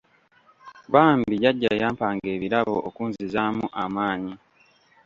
Bambi Jjajja yampanga ebirabo okunzizaamu amaanyi.